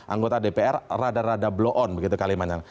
anggota dpr rada rada blow on begitu kalimatnya